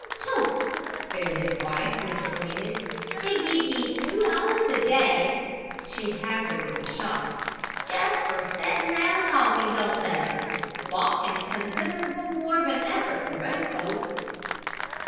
"Humph!" said his wife, disappointed. "They give ye two dollars a day" she hazarded the shot "just for settin' round and talkin', don't they? Walkin's considerable more of an effort for most folks."